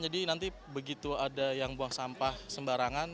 jadi nanti begitu ada yang buang sampah sembarangan